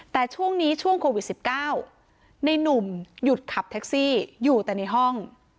แต่ช่วงนี้ช่วงโควิด๑๙ในนุ่มหยุดขับแท็กซี่อยู่แต่ในห้อง